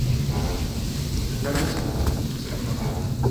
Las larvas no se conocen.